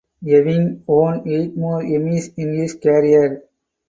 Ewing won eight more Emmys in his career.